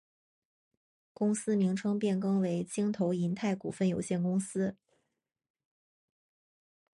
公司名称变更为京投银泰股份有限公司。